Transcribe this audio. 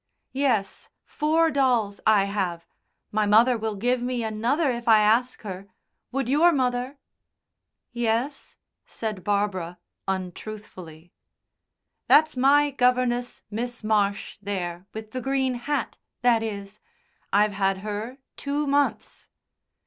"Yes four dolls I have. My mother will give me another if I ask her. Would your mother?" "Yes," said Barbara, untruthfully. "That's my governess, Miss Marsh, there, with the green hat, that is. I've had her two months."